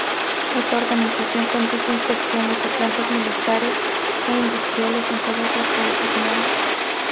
Esta organización conduce inspecciones a plantas militares e industriales en todos los países miembros.